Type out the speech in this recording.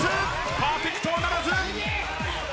パーフェクトはならず。